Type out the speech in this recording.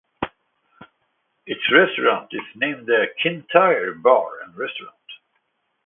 Its restaurant is named the Kintyre Bar and Restaurant.